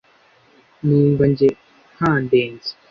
numva jye handenze